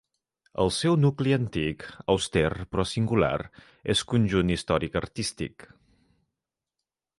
El seu nucli antic, auster però singular, és conjunt històric artístic.